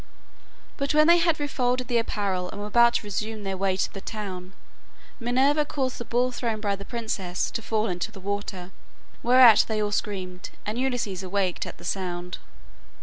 But when they had refolded the apparel and were about to resume their way to the town, Minerva caused the ball thrown by the princess to fall into the water, whereat they all screamed and Ulysses awaked at the sound.